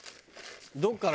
どこから？